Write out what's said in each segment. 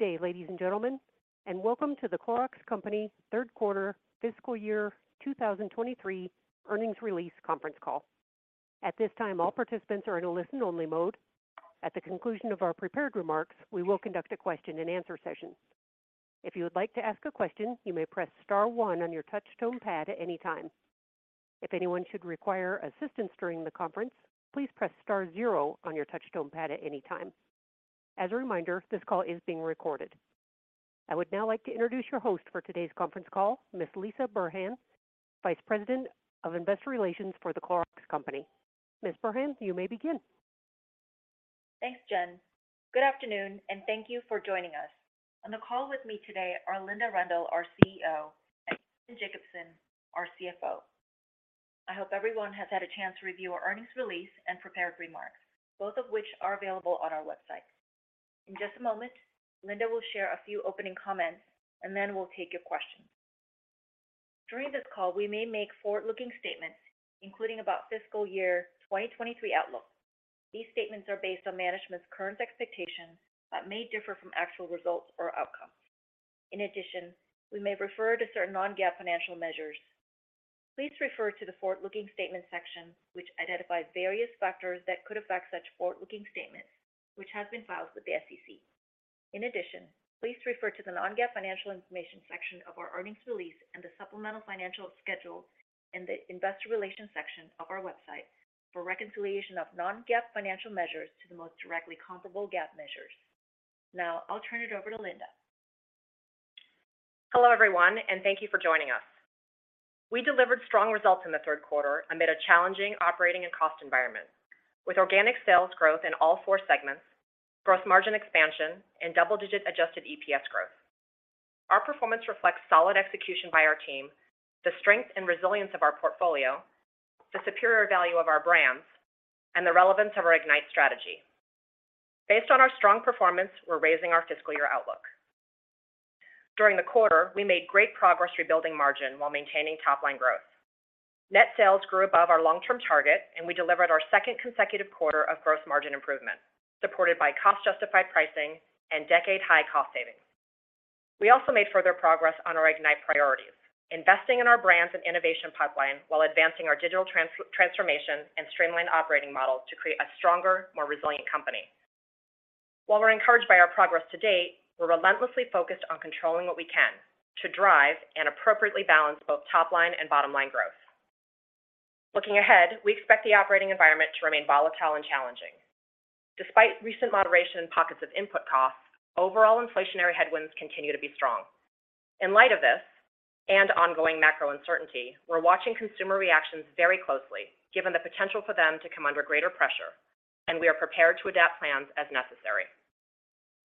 Good day, ladies and gentlemen, and welcome to The Clorox Company Third Quarter Fiscal Year 2023 Earnings Release Conference Call. At this time, all participants are in a listen-only mode. At the conclusion of our prepared remarks, we will conduct a question-and-answer session. If you would like to ask a question, you may press star one on your touch tone pad at any time. If anyone should require assistance during the conference, please press star zero on your touch tone pad at any time. As a reminder, this call is being recorded. I would now like to introduce your host for today's conference call, Ms. Lisah Burhan, Vice President of Investor Relations for The Clorox Company. Ms. Burhan, you may begin. Thanks, Jen. Good afternoon, and thank you for joining us. On the call with me today are Linda Rendle, our CEO, and Kevin Jacobsen, our CFO. I hope everyone has had a chance to review our earnings release and prepared remarks, both of which are available on our website. In just a moment, Linda will share a few opening comments, and then we'll take your questions. During this call, we may make forward-looking statements, including about fiscal year 2023 outlook. These statements are based on management's current expectations that may differ from actual results or outcomes. In addition, we may refer to certain non-GAAP financial measures. Please refer to the Forward-Looking Statements section, which identifies various factors that could affect such forward-looking statements, which has been filed with the SEC. In addition, please refer to the Non-GAAP Financial Information section of our earnings release and the supplemental financial schedule in the Investor Relations section of our website for reconciliation of non-GAAP financial measures to the most directly comparable GAAP measures. Now, I'll turn it over to Linda. Hello, everyone, and thank you for joining us. We delivered strong results in the third quarter amid a challenging operating and cost environment with organic sales growth in all four segments, gross margin expansion, and double-digit adjusted EPS growth. Our performance reflects solid execution by our team, the strength and resilience of our portfolio, the superior value of our brands, and the relevance of our IGNITE strategy. Based on our strong performance, we're raising our fiscal year outlook. During the quarter, we made great progress rebuilding margin while maintaining top-line growth. Net sales grew above our long-term target, and we delivered our second consecutive quarter of gross margin improvement, supported by cost-justified pricing and decade-high cost savings. We also made further progress on our IGNITE priorities, investing in our brands and innovation pipeline while advancing our digital transformation and streamlined operating models to create a stronger, more resilient company. While we're encouraged by our progress to date, we're relentlessly focused on controlling what we can to drive and appropriately balance both top-line and bottom-line growth. Looking ahead, we expect the operating environment to remain volatile and challenging. Despite recent moderation in pockets of input costs, overall inflationary headwinds continue to be strong. In light of this and ongoing macro uncertainty, we're watching consumer reactions very closely, given the potential for them to come under greater pressure, and we are prepared to adapt plans as necessary.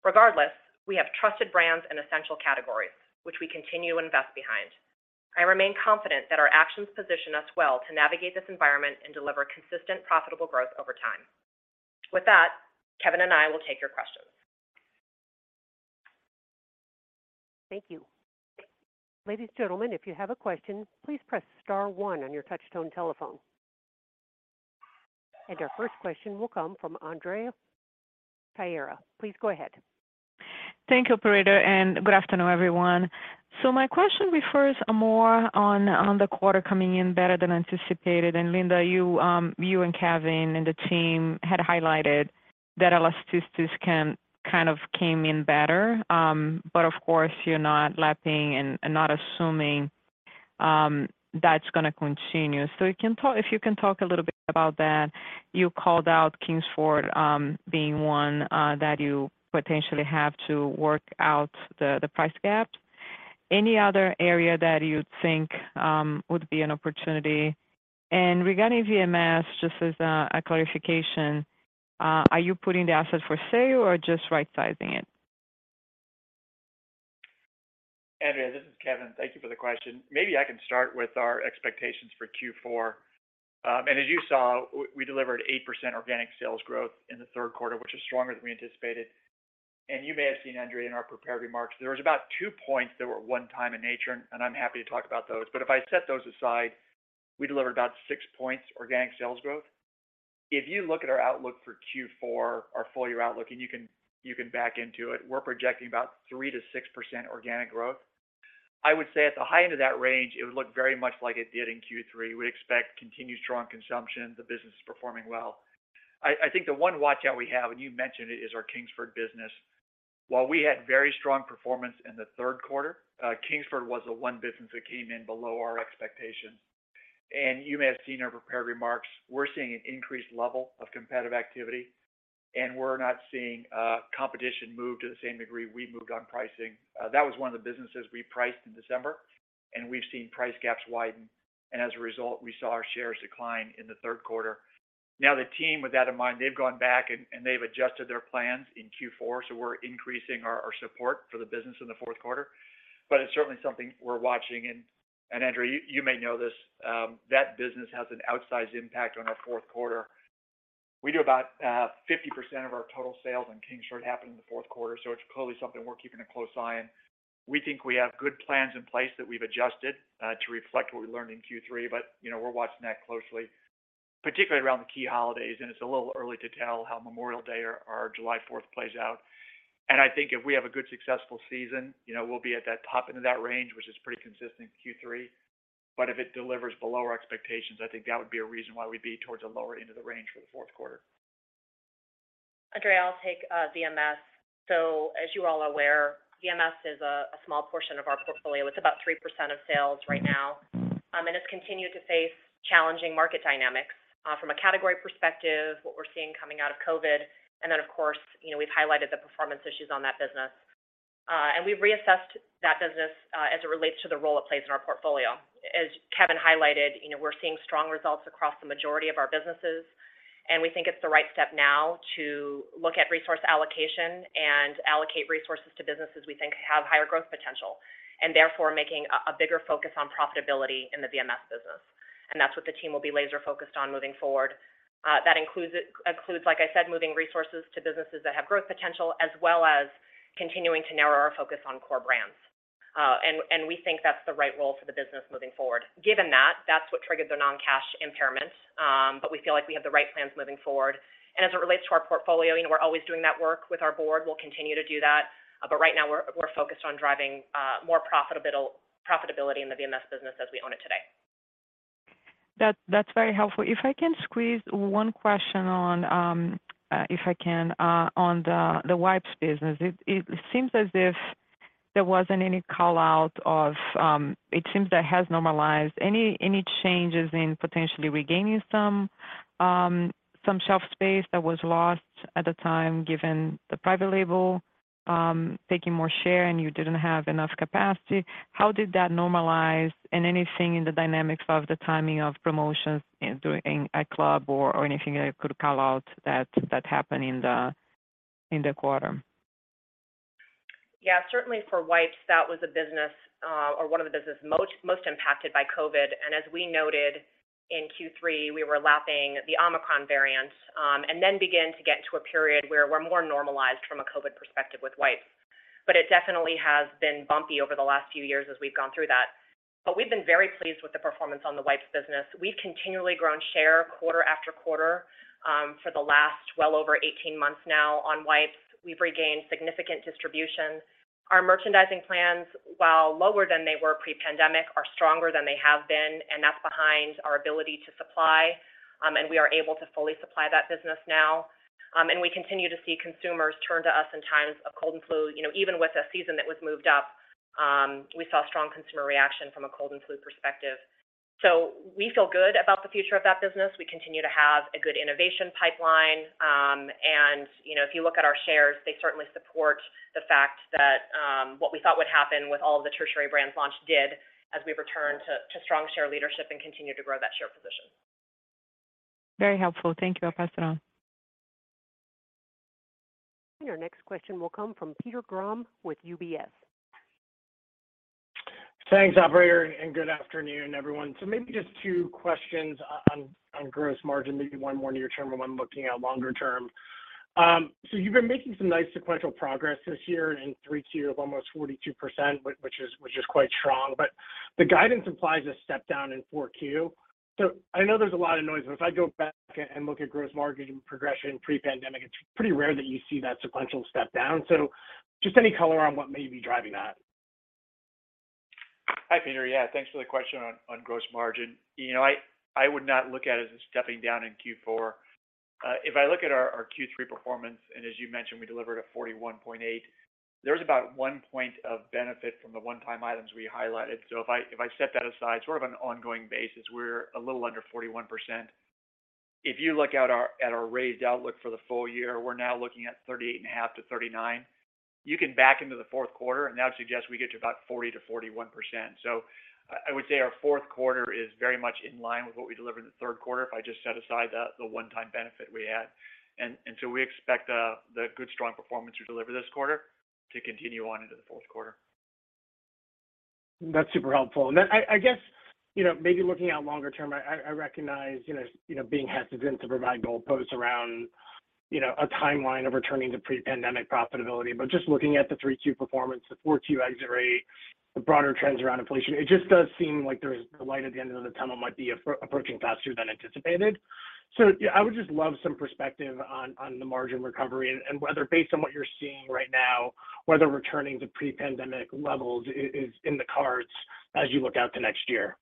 Regardless, we have trusted brands and essential categories, which we continue to invest behind. I remain confident that our actions position us well to navigate this environment and deliver consistent, profitable growth over time. With that, Kevin and I will take your questions. Thank you. Ladies and gentlemen, if you have a question, please press star one on your touch-tone telephone. Our first question will come from Andrea Teixeira. Please go ahead. Thank you, operator, and good afternoon, everyone. My question refers more on the quarter coming in better than anticipated. Linda, you and Kevin and the team had highlighted that elasticity kind of came in better. Of course, you're not lapping and not assuming that's gonna continue. If you can talk a little bit about that. You called out Kingsford being one that you potentially have to work out the price gap. Any other area that you think would be an opportunity? Regarding VMS, just as a clarification, are you putting the assets for sale or just right-sizing it? Andrea, this is Kevin. Thank you for the question. Maybe I can start with our expectations for Q4. As you saw, we delivered 8% organic sales growth in the third quarter, which is stronger than we anticipated. You may have seen, Andrea, in our prepared remarks, there was about 2 points that were one-time in nature, and I'm happy to talk about those. If I set those aside, we delivered about 6 points organic sales growth. If you look at our outlook for Q4, our full-year outlook, you can back into it, we're projecting about 3%-6% organic growth. I would say at the high end of that range, it would look very much like it did in Q3. We expect continued strong consumption. The business is performing well. I think the one watch-out we have, and you mentioned it, is our Kingsford business. While we had very strong performance in the third quarter, Kingsford was the one business that came in below our expectations. You may have seen in our prepared remarks, we're seeing an increased level of competitive activity, and we're not seeing competition move to the same degree we moved on pricing. That was one of the businesses we priced in December, and we've seen price gaps widen. As a result, we saw our shares decline in the third quarter. The team, with that in mind, they've gone back and they've adjusted their plans in Q4, so we're increasing our support for the business in the fourth quarter. It's certainly something we're watching. Andrea, you may know this, that business has an outsized impact on our fourth quarter. We do about 50% of our total sales on Kingsford happen in the fourth quarter, so it's clearly something we're keeping a close eye on. We think we have good plans in place that we've adjusted to reflect what we learned in Q3, but, you know, we're watching that closely. Particularly around the key holidays, it's a little early to tell how Memorial Day or July 4th plays out. I think if we have a good successful season, you know, we'll be at that top end of that range, which is pretty consistent with Q3. If it delivers below our expectations, I think that would be a reason why we'd be towards the lower end of the range for the fourth quarter. Andrea, I'll take VMS. As you all are aware, VMS is a small portion of our portfolio. It's about 3% of sales right now. And it's continued to face challenging market dynamics from a category perspective, what we're seeing coming out of COVID. Of course, you know, we've highlighted the performance issues on that business. And we've reassessed that business as it relates to the role it plays in our portfolio. As Kevin highlighted, you know, we're seeing strong results across the majority of our businesses, and we think it's the right step now to look at resource allocation and allocate resources to businesses we think have higher growth potential, and therefore making a bigger focus on profitability in the VMS business. That's what the team will be laser focused on moving forward. That includes, like I said, moving resources to businesses that have growth potential, as well as continuing to narrow our focus on core brands. We think that's the right role for the business moving forward. Given that's what triggered the non-cash impairment, but we feel like we have the right plans moving forward. As it relates to our portfolio, you know, we're always doing that work with our board. We'll continue to do that. Right now we're focused on driving more profitability in the VMS business as we own it today. That's very helpful. If I can squeeze one question on, if I can, on the wipes business. It seems as if there wasn't any call-out of, it seems that it has normalized. Any changes in potentially regaining some shelf space that was lost at the time, given the private label taking more share, and you didn't have enough capacity? How did that normalize? Anything in the dynamics of the timing of promotions in doing a club or anything I could call out that happened in the quarter? Yeah. Certainly for wipes, that was a business or one of the business most impacted by COVID. As we noted in Q3, we were lapping the Omicron variant, and then began to get to a period where we're more normalized from a COVID perspective with wipes. It definitely has been bumpy over the last few years as we've gone through that. We've been very pleased with the performance on the wipes business. We've continually grown share quarter after quarter, for the last well over 18 months now on wipes. We've regained significant distribution. Our merchandising plans, while lower than they were pre-pandemic, are stronger than they have been, and that's behind our ability to supply, and we are able to fully supply that business now. We continue to see consumers turn to us in times of cold and flu. You know, even with a season that was moved up, we saw strong consumer reaction from a cold and flu perspective. We feel good about the future of that business. We continue to have a good innovation pipeline. You know, if you look at our shares, they certainly support the fact that what we thought would happen with all of the tertiary brands launched did, as we return to strong share leadership and continue to grow that share position. Very helpful. Thank you. I'll pass it on. Your next question will come from Peter Grom with UBS. Thanks, operator. Good afternoon, everyone. Maybe just two questions on gross margin, maybe one more near term and one looking out longer term. You've been making some nice sequential progress this year in 3Q of almost 42%, which is quite strong. The guidance implies a step down in 4Q. I know there's a lot of noise, but if I go back and look at gross margin progression pre-pandemic, it's pretty rare that you see that sequential step down. Just any color on what may be driving that. Hi, Peter. Yeah, thanks for the question on gross margin. You know, I would not look at it as a stepping down in Q4. If I look at our Q3 performance, and as you mentioned, we delivered a 41.8%, there's about 1 point of benefit from the one-time items we highlighted. If I set that aside, sort of on an ongoing basis, we're a little under 41%. If you look at our raised outlook for the full year, we're now looking at 38.5%-39%. You can back into the fourth quarter, that would suggest we get to about 40%-41%.I would say our fourth quarter is very much in line with what we delivered in the third quarter, if I just set aside the one-time benefit we had. We expect the good, strong performance we delivered this quarter to continue on into the fourth quarter. That's super helpful. I guess, you know, maybe looking out longer term, I recognize, you know, you know, being hesitant to provide goalposts around, you know, a timeline of returning to pre-pandemic profitability. Just looking at the 3Q performance, the 4Q exit rate, the broader trends around inflation, it just does seem like the light at the end of the tunnel might be approaching faster than anticipated. Yeah, I would just love some perspective on the margin recovery and whether based on what you're seeing right now, whether returning to pre-pandemic levels is in the cards as you look out to next year.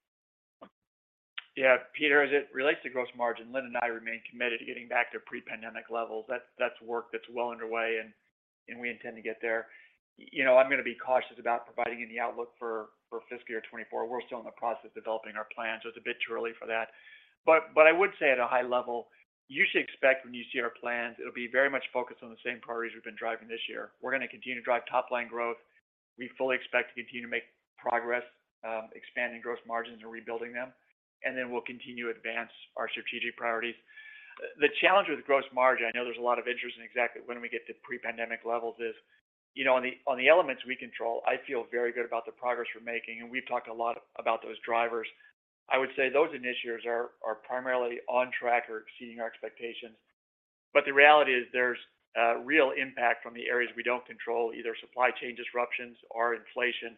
Yeah. Peter, as it relates to gross margin, Linda and I remain committed to getting back to pre-pandemic levels. That's work that's well underway, and we intend to get there. You know, I'm gonna be cautious about providing any outlook for fiscal year 2024. We're still in the process of developing our plans, so it's a bit early for that. I would say at a high level, you should expect when you see our plans, it'll be very much focused on the same priorities we've been driving this year. We're gonna continue to drive top-line growth. We fully expect to continue to make progress, expanding gross margins and rebuilding them. We'll continue to advance our strategic priorities. The challenge with gross margin, I know there's a lot of interest in exactly when we get to pre-pandemic levels is, you know, on the, on the elements we control, I feel very good about the progress we're making, and we've talked a lot about those drivers. The reality is there's real impact from the areas we don't control, either supply chain disruptions or inflation.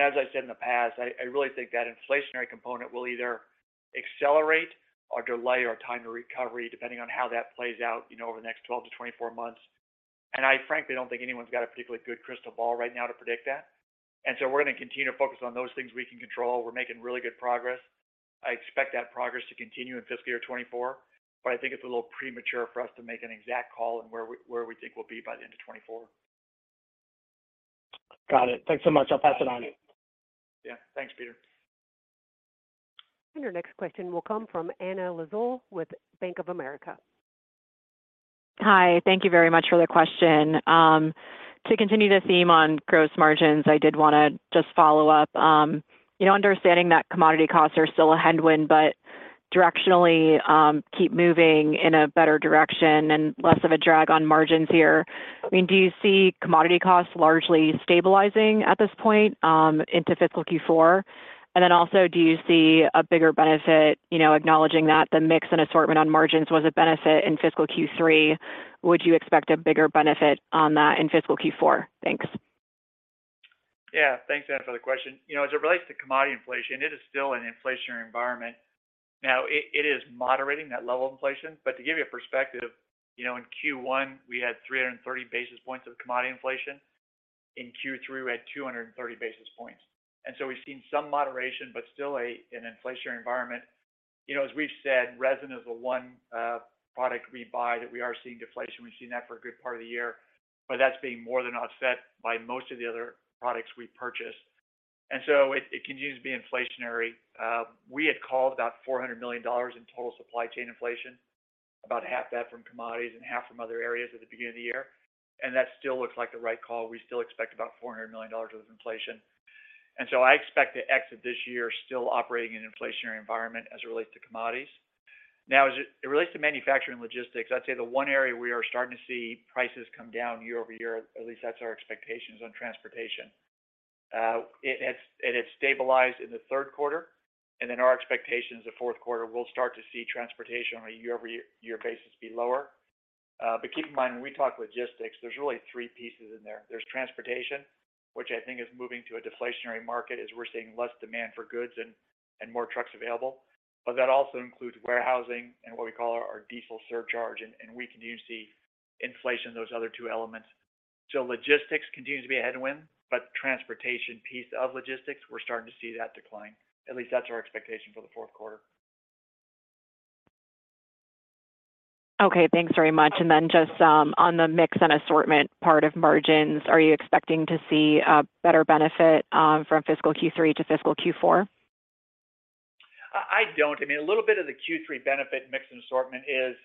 As I said in the past, I really think that inflationary component will either accelerate or delay our time to recovery, depending on how that plays out, you know, over the next 12 to 24 months. I frankly don't think anyone's got a particularly good crystal ball right now to predict that. We're gonna continue to focus on those things we can control. We're making really good progress. I expect that progress to continue in fiscal year 2024. I think it's a little premature for us to make an exact call on where we think we'll be by the end of 2024. Got it. Thanks so much. I'll pass it on. Yeah. Thanks, Peter. Your next question will come from Anna Lizzul with Bank of America. Hi. Thank you very much for the question. To continue the theme on gross margins, I did wanna just follow up. You know, understanding that commodity costs are still a headwind, but directionally, keep moving in a better direction and less of a drag on margins here. I mean, do you see commodity costs largely stabilizing at this point, into fiscal Q4? Also, do you see a bigger benefit, you know, acknowledging that the mix and assortment on margins was a benefit in fiscal Q3, would you expect a bigger benefit on that in fiscal Q4? Thanks. Yeah. Thanks, Anna, for the question. You know, as it relates to commodity inflation, it is still an inflationary environment. Now, it is moderating, that level of inflation, but to give you a perspective, you know, in Q1, we had 330 basis points of commodity inflation. In Q3, we had 230 basis points. We've seen some moderation, but still an inflationary environment. You know, as we've said, resin is the one product we buy that we are seeing deflation. We've seen that for a good part of the year, but that's being more than offset by most of the other products we purchase. It continues to be inflationary. We had called about $400 million in total supply chain inflation, about half that from commodities and half from other areas at the beginning of the year, that still looks like the right call. We still expect about $400 million of inflation. I expect to exit this year still operating in an inflationary environment as it relates to commodities. Now, as it relates to manufacturing and logistics, I'd say the one area we are starting to see prices come down year-over-year, at least that's our expectations, on transportation. It has stabilized in the third quarter, our expectation is the fourth quarter, we'll start to see transportation on a year-over-year basis be lower. Keep in mind, when we talk logistics, there's really three pieces in there. There's transportation, which I think is moving to a deflationary market as we're seeing less demand for goods and more trucks available, but that also includes warehousing and what we call our diesel surcharge, and we continue to see inflation in those other two elements. Logistics continues to be a headwind, but the transportation piece of logistics, we're starting to see that decline. At least that's our expectation for the fourth quarter. Okay, thanks very much. Then just on the mix and assortment part of margins, are you expecting to see a better benefit from fiscal Q3 to fiscal Q4? I don't. I mean, a little bit of the Q3 benefit in mix and assortment is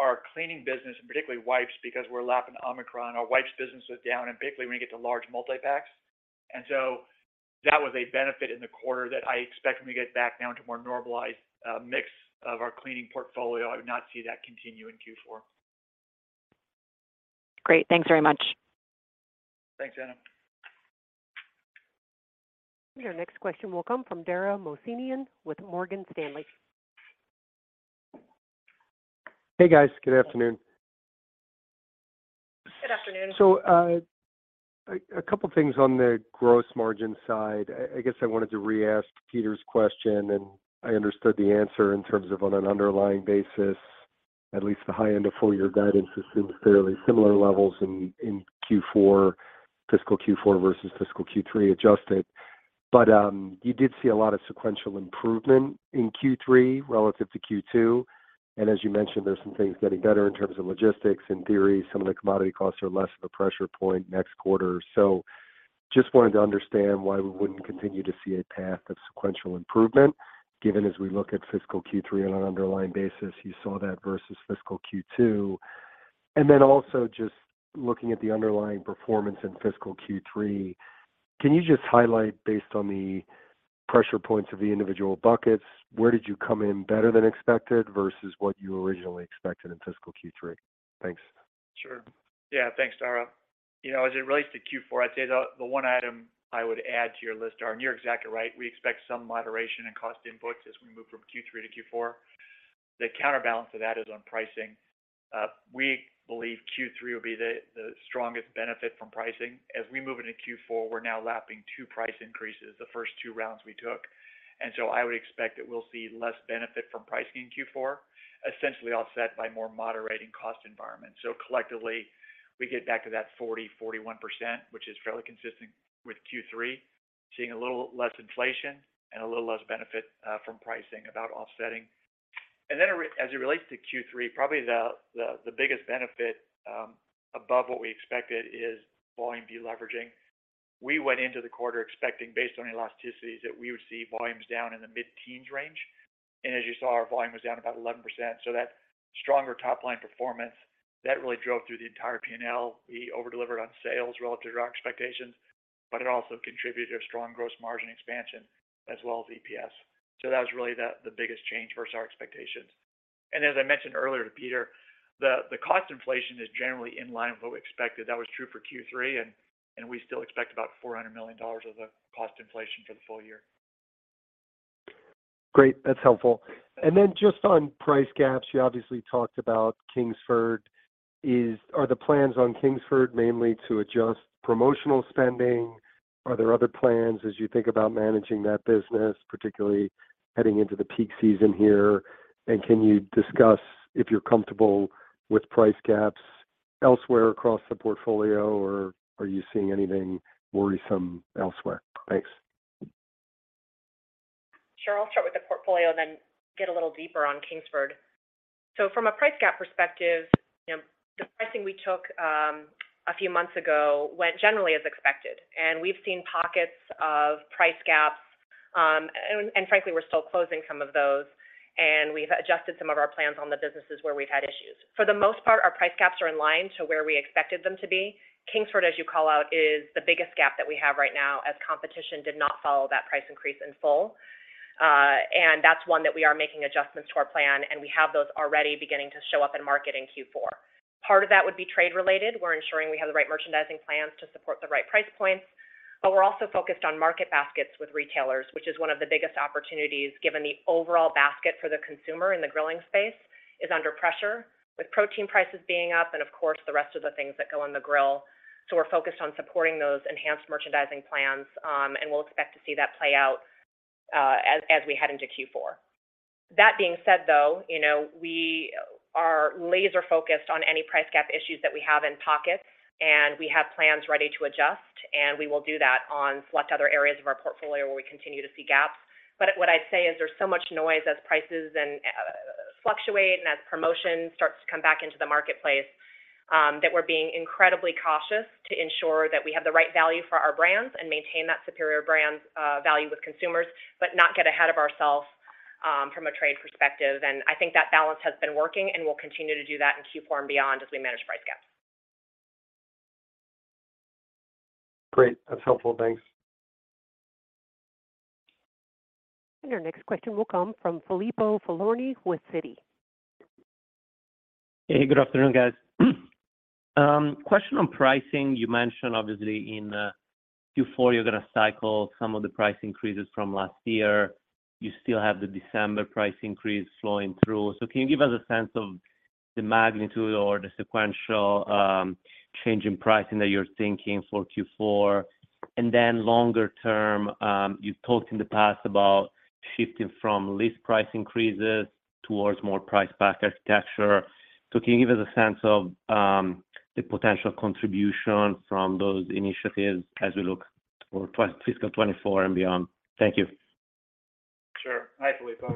our cleaning business, and particularly wipes, because we're lapping Omicron. Our wipes business was down, and particularly when you get to large multi-packs. That was a benefit in the quarter that I expect when we get back down to a more normalized mix of our cleaning portfolio. I would not see that continue in Q4. Great. Thanks very much. Thanks, Anna. Your next question will come from Dara Mohsenian with Morgan Stanley. Hey, guys. Good afternoon. Good afternoon. Couple things on the gross margin side. I guess I wanted to re-ask Peter's question, and I understood the answer in terms of on an underlying basis. At least the high end of full year guidance is in fairly similar levels in Q4, fiscal Q4 versus fiscal Q3 adjusted. You did see a lot of sequential improvement in Q3 relative to Q2. As you mentioned, there's some things getting better in terms of logistics. In theory, some of the commodity costs are less of a pressure point next quarter. just wanted to understand why we wouldn't continue to see a path of sequential improvement, given as we look at fiscal Q3 on an underlying basis, you saw that versus fiscal Q2. Also just looking at the underlying performance in fiscal Q3, can you just highlight based on the pressure points of the individual buckets, where did you come in better than expected versus what you originally expected in fiscal Q3? Thanks. Sure. Yeah. Thanks, Dara. You know, as it relates to Q4, I'd say the one item I would add to your list, Dara, and you're exactly right, we expect some moderation in cost inputs as we move from Q3 to Q4. The counterbalance of that is on pricing. We believe Q3 will be the strongest benefit from pricing. As we move into Q4, we're now lapping two price increases, the first two rounds we took. I would expect that we'll see less benefit from pricing in Q4, essentially offset by more moderating cost environment. Collectively, we get back to that 40%-41%, which is fairly consistent with Q3, seeing a little less inflation and a little less benefit from pricing, about offsetting. As it relates to Q3, probably the biggest benefit above what we expected is volume deleveraging. We went into the quarter expecting, based on elasticities, that we would see volumes down in the mid-teens range. As you saw, our volume was down about 11%. That stronger top-line performance, that really drove through the entire P&L. We over-delivered on sales relative to our expectations, but it also contributed to a strong gross margin expansion as well as EPS. That was really the biggest change versus our expectations. As I mentioned earlier to Peter, the cost inflation is generally in line with what we expected. That was true for Q3, and we still expect about $400 million of the cost inflation for the full year. Great, that's helpful. Then just on price gaps, you obviously talked about Kingsford. Are the plans on Kingsford mainly to adjust promotional spending? Are there other plans as you think about managing that business, particularly heading into the peak season here? Can you discuss if you're comfortable with price gaps elsewhere across the portfolio, or are you seeing anything worrisome elsewhere? Thanks. Sure. I'll start with the portfolio and then get a little deeper on Kingsford. From a price gap perspective, you know, the pricing we took a few months ago went generally as expected, and we've seen pockets of price gaps, and frankly, we're still closing some of those, and we've adjusted some of our plans on the businesses where we've had issues. For the most part, our price gaps are in line to where we expected them to be. Kingsford, as you call out, is the biggest gap that we have right now as competition did not follow that price increase in full. That's one that we are making adjustments to our plan, and we have those already beginning to show up in market in Q4. Part of that would be trade-related. We're ensuring we have the right merchandising plans to support the right price points, but we're also focused on market baskets with retailers, which is one of the biggest opportunities given the overall basket for the consumer in the grilling space is under pressure, with protein prices being up and of course, the rest of the things that go on the grill. We're focused on supporting those enhanced merchandising plans, and we'll expect to see that play out as we head into Q4. That being said, though, you know, we are laser-focused on any price gap issues that we have in pockets, and we have plans ready to adjust, and we will do that on select other areas of our portfolio where we continue to see gaps. What I'd say is there's so much noise as prices fluctuate and as promotion starts to come back into the marketplace, that we're being incredibly cautious to ensure that we have the right value for our brands and maintain that superior brand value with consumers, but not get ahead of ourselves from a trade perspective. I think that balance has been working, and we'll continue to do that in Q4 and beyond as we manage price gaps. Great. That's helpful. Thanks. Our next question will come from Filippo Falorni with Citi. Hey, good afternoon, guys. Question on pricing. You mentioned obviously in Q4, you're gonna cycle some of the price increases from last year. You still have the December price increase flowing through. Can you give us a sense of the magnitude or the sequential change in pricing that you're thinking for Q4? Then longer term, you've talked in the past about shifting from list price increases towards more price pack architecture. Can you give us a sense of the potential contribution from those initiatives as we look for fiscal 2024 and beyond? Thank you. Sure. Hi, Filippo.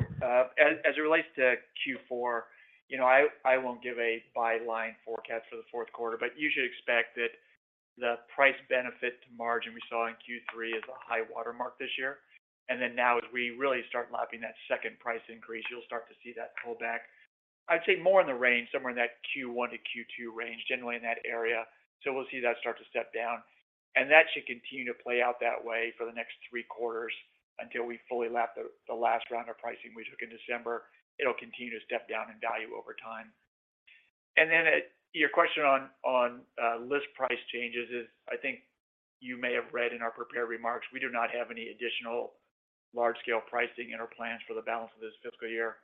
As it relates to Q4, you know, I won't give a by-line forecast for the fourth quarter. You should expect that the price benefit to margin we saw in Q3 is a high water mark this year. Now as we really start lapping that second price increase, you'll start to see that pull back, I'd say more in the range, somewhere in that Q1 to Q2 range, generally in that area. We'll see that start to step down. That should continue to play out that way for the next three quarters until we fully lap the last round of pricing we took in December. It'll continue to step down in value over time. At your question on list price changes is, I think you may have read in our prepared remarks, we do not have any additional large-scale pricing in our plans for the balance of this fiscal year.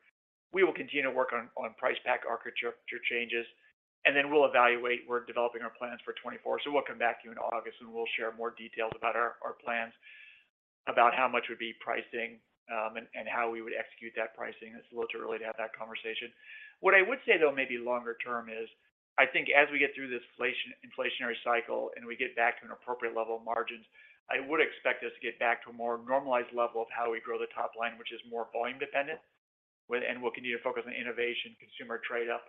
We will continue to work on price pack architecture changes, and then we'll evaluate. We're developing our plans for 2024. We'll come back to you in August, and we'll share more details about our plans about how much would be pricing, and how we would execute that pricing. It's a little too early to have that conversation. What I would say, though, maybe longer term is, I think as we get through this inflationary cycle and we get back to an appropriate level of margins, I would expect us to get back to a more normalized level of how we grow the top line, which is more volume dependent and we'll continue to focus on innovation, consumer trade-up,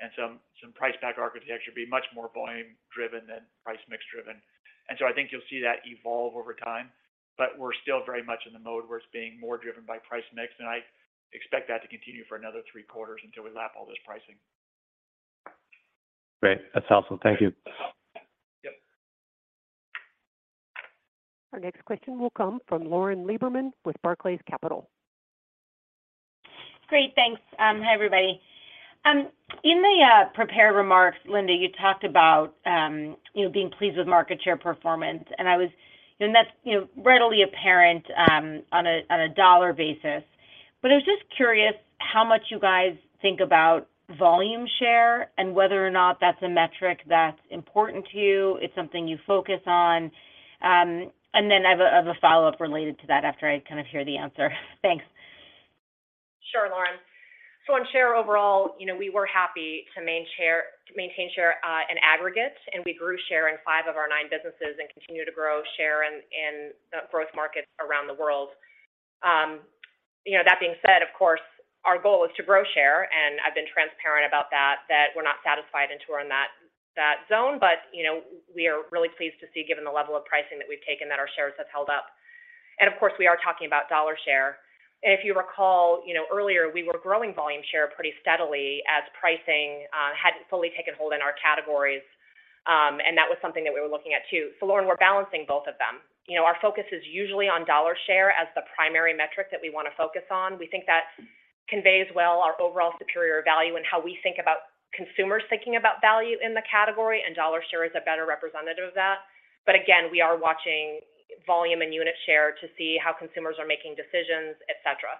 and some price pack architecture, be much more volume-driven than price mix driven. I think you'll see that evolve over time. We're still very much in the mode where it's being more driven by price mix, and I expect that to continue for another three quarters until we lap all this pricing. Great. That's helpful. Thank you. Yep. Our next question will come from Lauren Lieberman with Barclays Capital. Great, thanks. Hi, everybody. In the prepared remarks, Linda, you talked about, you know, being pleased with market share performance. You know, that's, you know, readily apparent, on a, on a dollar basis. I was just curious how much you guys think about volume share and whether or not that's a metric that's important to you, it's something you focus on? I've a, I've a follow-up related to that after I kind of hear the answer. Thanks. Sure, Lauren. On share overall, you know, we were happy to maintain share in aggregate, and we grew share in five of our nine businesses and continue to grow share in the growth markets around the world. you know, that being said, of course, our goal is to grow share, and I've been transparent about that we're not satisfied until we're in that zone. you know, we are really pleased to see, given the level of pricing that we've taken, that our shares have held up. Of course, we are talking about dollar share. If you recall, you know, earlier, we were growing volume share pretty steadily as pricing hadn't fully taken hold in our categories, that was something that we were looking at too. Lauren, we're balancing both of them. You know, our focus is usually on dollar share as the primary metric that we wanna focus on. We think that conveys well our overall superior value and how we think about consumers thinking about value in the category, and dollar share is a better representative of that. Again, we are watching volume and unit share to see how consumers are making decisions, et cetera.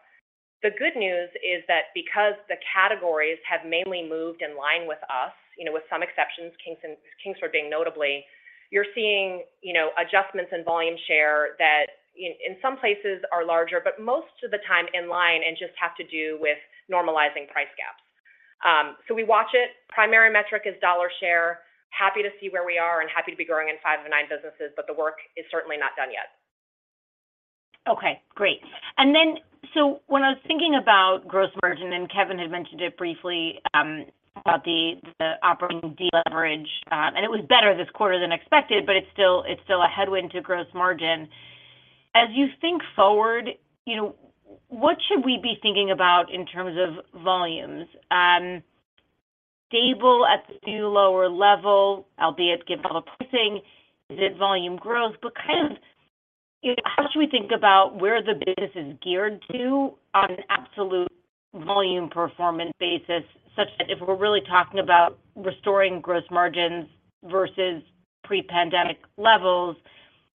The good news is that because the categories have mainly moved in line with us, you know, with some exceptions, Kingsford being notably, you're seeing, you know, adjustments in volume share that in some places are larger, but most of the time in line and just have to do with normalizing price gaps. We watch it. Primary metric is dollar share. Happy to see where we are and happy to be growing in five of the nine businesses. The work is certainly not done yet. Okay, great. When I was thinking about gross margin, and Kevin had mentioned it briefly, about the operating deleverage, and it was better this quarter than expected, but it's still a headwind to gross margin. As you think forward, you know, what should we be thinking about in terms of volumes? Stable at the new lower level, albeit given all the pricing? Is it volume growth? Kind of, you know, how should we think about where the business is geared to, on an absolute volume performance basis, such that if we're really talking about restoring gross margins versus pre-pandemic levels,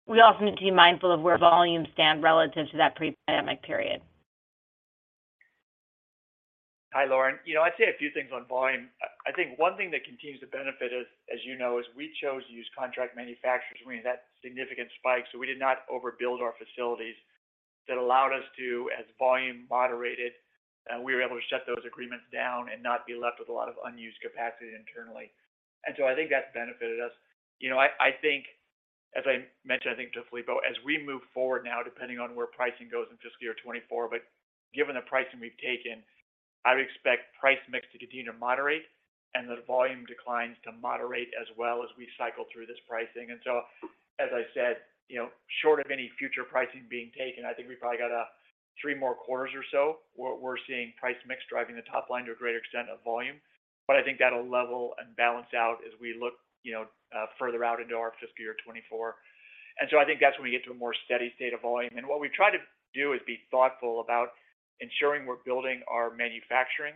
we also need to be mindful of where volumes stand relative to that pre-pandemic period. Hi, Lauren. You know, I'd say a few things on volume. I think one thing that continues to benefit us, as you know, is we chose to use contract manufacturers during that significant spike, so we did not overbuild our facilities. That allowed us to, as volume moderated, we were able to shut those agreements down and not be left with a lot of unused capacity internally. I think that's benefited us. You know, I think, as I mentioned, I think, to Filippo, as we move forward now, depending on where pricing goes in fiscal year 2024, but given the pricing we've taken, I would expect price mix to continue to moderate and the volume declines to moderate as well as we cycle through this pricing. As I said, you know, short of any future pricing being taken, I think we've probably got three more quarters or so where we're seeing price mix driving the top line to a greater extent of volume. I think that'll level and balance out as we look, you know, further out into our fiscal year 2024. I think that's when we get to a more steady state of volume. What we've tried to do is be thoughtful about ensuring we're building our manufacturing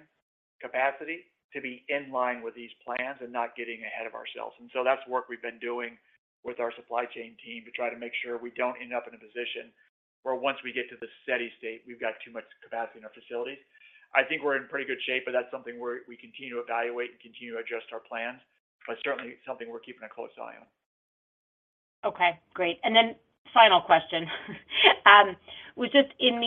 capacity to be in line with these plans and not getting ahead of ourselves. That's work we've been doing with our supply chain team to try to make sure we don't end up in a position where once we get to the steady state, we've got too much capacity in our facilities. I think we're in pretty good shape, but that's something we continue to evaluate and continue to adjust our plans, but certainly something we're keeping a close eye on. Okay, great. Final question was just in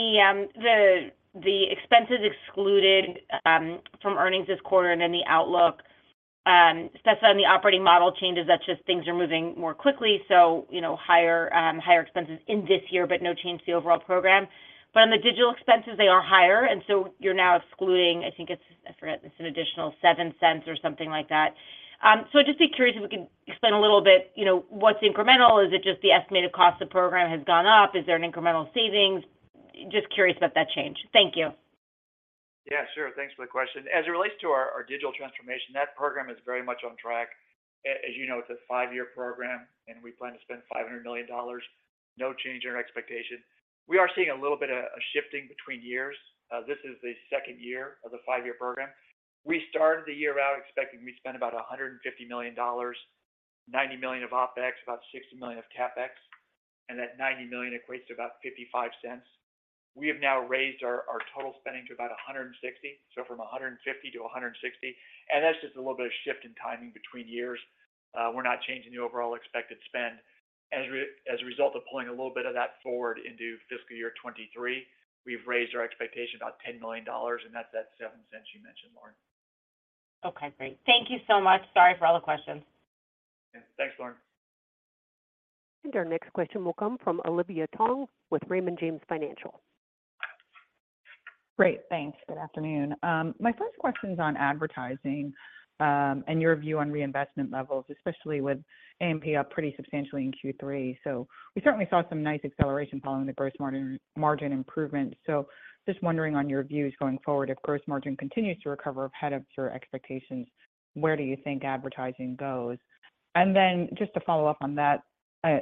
the expenses excluded from earnings this quarter and in the outlook, that's on the operating model changes that just things are moving more quickly, so, you know, higher expenses in this year, but no change to the overall program. On the digital expenses, they are higher, you're now excluding, I think it's, I forget, it's an additional $0.07 or something like that. Just be curious if we could explain a little bit, you know, what's incremental? Is it just the estimated cost of the program has gone up? Is there an incremental savings? Just curious about that change. Thank you. Yeah, sure. Thanks for the question. As it relates to our digital transformation, that program is very much on track. As you know, it's a five-year program. We plan to spend $500 million. No change in our expectation. We are seeing a little bit of shifting between years. This is the second year of the five-year program. We started the year out expecting we'd spend about $150 million, $90 million of OpEx, about $60 million of CapEx. That $90 million equates to about $0.55. We have now raised our total spending to about $160 million, so from $150 million to $160 million. That's just a little bit of shift in timing between years. We're not changing the overall expected spend. As a result of pulling a little bit of that forward into fiscal year 2023, we've raised our expectation about $10 million, and that's that $0.07 you mentioned, Lauren. Okay, great. Thank you so much. Sorry for all the questions. Yeah. Thanks, Lauren. Our next question will come from Olivia Tong with Raymond James Financial. Great. Thanks. Good afternoon. My first question's on advertising, and your view on reinvestment levels, especially with A&P up pretty substantially in Q3. We certainly saw some nice acceleration following the gross margin improvement. Just wondering on your views going forward, if gross margin continues to recover ahead of your expectations, where do you think advertising goes? Then just to follow up on that,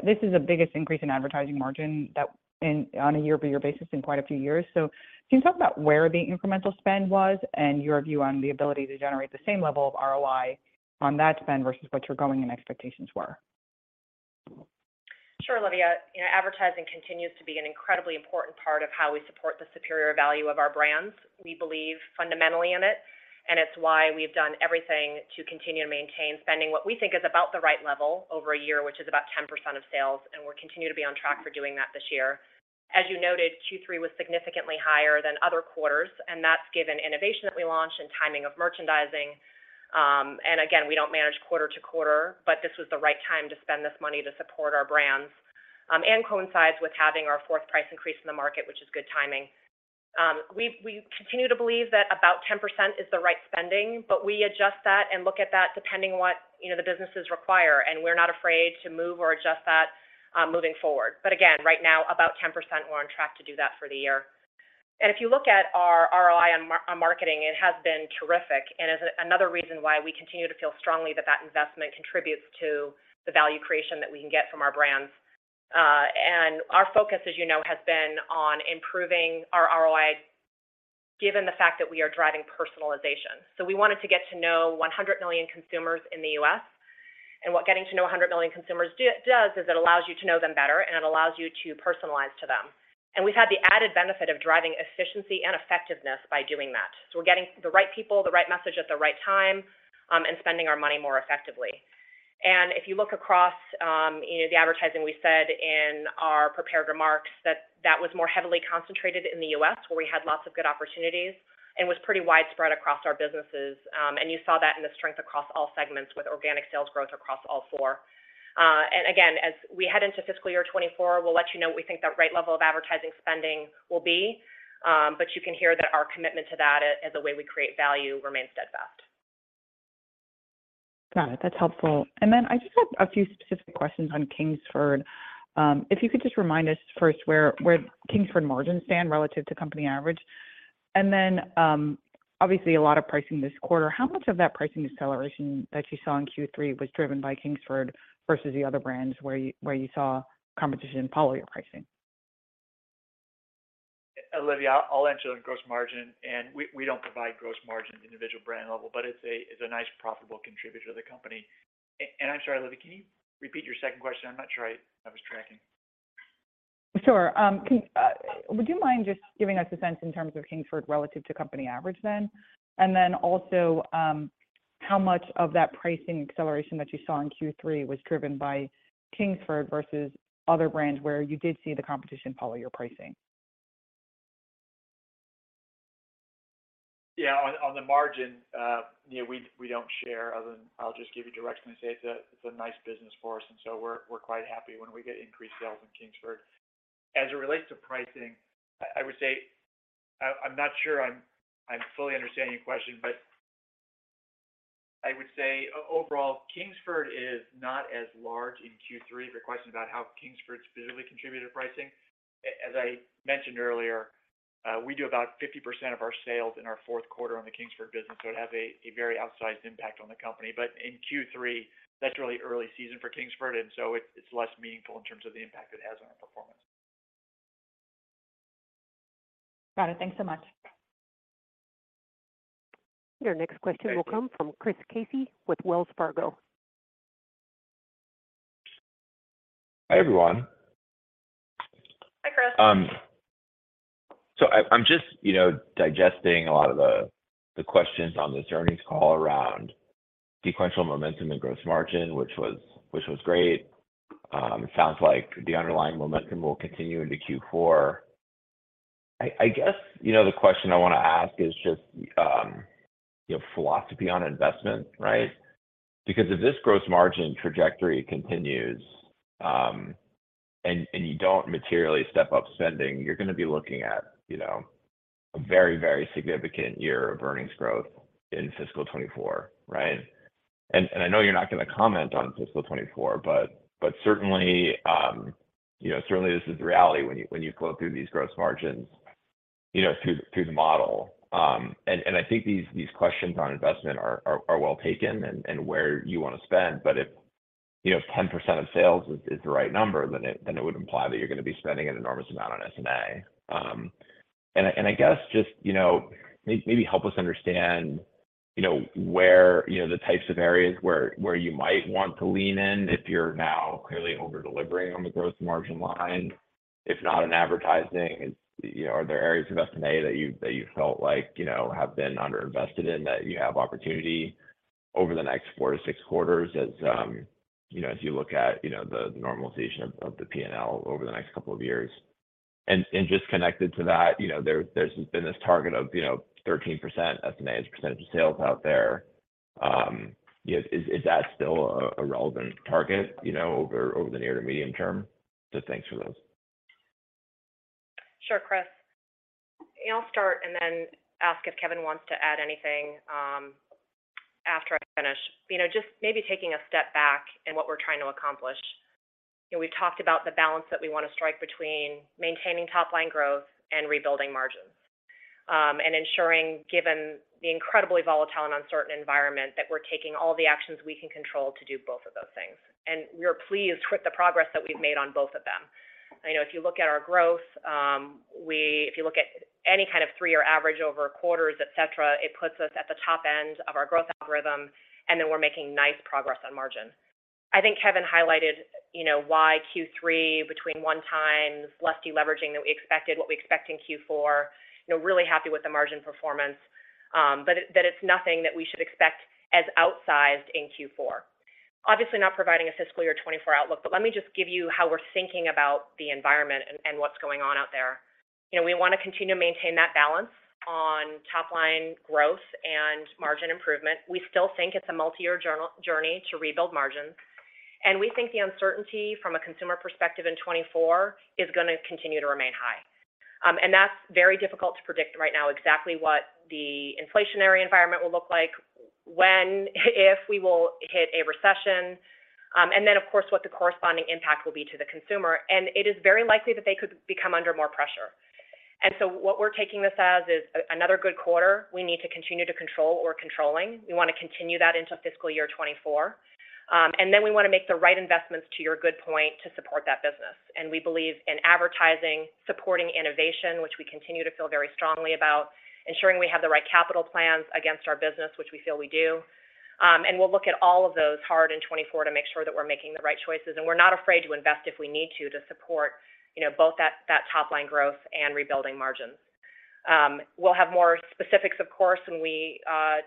this is the biggest increase in advertising margin that on a year-over-year basis in quite a few years. Can you talk about where the incremental spend was and your view on the ability to generate the same level of ROI on that spend versus what your going-in expectations were? Sure, Olivia. You know, advertising continues to be an incredibly important part of how we support the superior value of our brands. We believe fundamentally in it, and it's why we've done everything to continue to maintain spending what we think is about the right level over a year, which is about 10% of sales, and we'll continue to be on track for doing that this year. As you noted, Q3 was significantly higher than other quarters, and that's given innovation that we launched and timing of merchandising. And again, we don't manage quarter to quarter, but this was the right time to spend this money to support our brands, and coincides with having our fourth price increase in the market, which is good timing. We continue to believe that about 10% is the right spending. We adjust that and look at that depending what, you know, the businesses require, and we're not afraid to move or adjust that, moving forward. Again, right now, about 10%, we're on track to do that for the year. If you look at our ROI on marketing, it has been terrific and is another reason why we continue to feel strongly that that investment contributes to the value creation that we can get from our brands. Our focus, as you know, has been on improving our ROI, given the fact that we are driving personalization. We wanted to get to know 100 million consumers in the U.S. What getting to know 100 million consumers does is it allows you to know them better and it allows you to personalize to them. We've had the added benefit of driving efficiency and effectiveness by doing that. We're getting the right people, the right message at the right time, and spending our money more effectively. If you look across, you know, the advertising, we said in our prepared remarks that that was more heavily concentrated in the U.S., where we had lots of good opportunities and was pretty widespread across our businesses. You saw that in the strength across all segments with organic sales growth across all four. Again, as we head into fiscal year 2024, we'll let you know what we think the right level of advertising spending will be. You can hear that our commitment to that as a way we create value remains steadfast. Got it. That's helpful. Then I just have a few specific questions on Kingsford. If you could just remind us first where Kingsford margins stand relative to company average. Then, obviously a lot of pricing this quarter. How much of that pricing acceleration that you saw in Q3 was driven by Kingsford versus the other brands where you, where you saw competition follow your pricing? Olivia, I'll answer on gross margin, and we don't provide gross margin at individual brand level, but it's a nice profitable contributor to the company. I'm sorry, Olivia, can you repeat your second question? I'm not sure I was tracking. Sure. Would you mind just giving us a sense in terms of Kingsford relative to company average then? How much of that pricing acceleration that you saw in Q3 was driven by Kingsford versus other brands where you did see the competition follow your pricing? Yeah. On the margin, you know, we don't share other than I'll just give you direction and say it's a nice business for us. We're quite happy when we get increased sales in Kingsford. As it relates to pricing, I'm not sure I'm fully understanding your question, but I would say overall, Kingsford is not as large in Q3. If you're questioning about how Kingsford visibly contributed to pricing. As I mentioned earlier, we do about 50% of our sales in our fourth quarter on the Kingsford business, so it has a very outsized impact on the company. In Q3, that's really early season for Kingsford, it's less meaningful in terms of the impact it has on our performance. Got it. Thanks so much. Thank you. Your next question will come from Christopher Carey with Wells Fargo. Hi, everyone. Hi, Chris. I'm just, you know, digesting a lot of the questions on this earnings call around sequential momentum and gross margin, which was great. Sounds like the underlying momentum will continue into Q4. I guess, you know, the question I wanna ask is just, you know, philosophy on investment, right? If this gross margin trajectory continues, and you don't materially step up spending, you're gonna be looking at, you know, a very significant year of earnings growth in fiscal 2024, right? I know you're not gonna comment on fiscal 2024, but certainly, you know, certainly this is the reality when you flow through these gross margins, you know, through the model. I think these questions on investment are well taken and where you wanna spend. If, you know, 10% of sales is the right number, then it would imply that you're gonna be spending an enormous amount on SG&A. I guess just, you know, maybe help us understand, you know, where, you know, the types of areas where you might want to lean in if you're now clearly over-delivering on the gross margin line. If not in advertising, is, you know, are there areas of SG&A that you felt like, you know, have been underinvested in that you have opportunity over the next four to six quarters as, you know, as you look at, you know, the normalization of the P&L over the next couple of years? Just connected to that, you know, there's been this target of, you know, 13% SG&A as a percentage of sales out there. You know, is that still a relevant target, you know, over the near to medium term? Thanks for those. Sure, Chris. I'll start and then ask if Kevin wants to add anything, after I finish. You know, just maybe taking a step back in what we're trying to accomplish. You know, we've talked about the balance that we wanna strike between maintaining top line growth and rebuilding margins. Ensuring, given the incredibly volatile and uncertain environment, that we're taking all the actions we can control to do both of those things. We are pleased with the progress that we've made on both of them. You know, if you look at our growth, If you look at any kind of three-year average over quarters, et cetera, it puts us at the top end of our growth algorithm, then we're making nice progress on margin. I think Kevin highlighted, you know, why Q3 between one-time less deleveraging than we expected, what we expect in Q4, you know, really happy with the margin performance, but that it's nothing that we should expect as outsized in Q4. Obviously, not providing a fiscal year 2024 outlook, but let me just give you how we're thinking about the environment and what's going on out there. You know, we wanna continue to maintain that balance on top line growth and margin improvement. We still think it's a multi-year journey to rebuild margins, and we think the uncertainty from a consumer perspective in 2024 is gonna continue to remain high. That's very difficult to predict right now exactly what the inflationary environment will look like, when, if we will hit a recession, and then, of course, what the corresponding impact will be to the consumer. It is very likely that they could become under more pressure. What we're taking this as is another good quarter we need to continue to control. We're controlling. We wanna continue that into fiscal year 2024. We wanna make the right investments, to your good point, to support that business. We believe in advertising, supporting innovation, which we continue to feel very strongly about, ensuring we have the right capital plans against our business, which we feel we do. We'll look at all of those hard in 2024 to make sure that we're making the right choices. We're not afraid to invest if we need to support, you know, both that top line growth and rebuilding margins. We'll have more specifics, of course, when we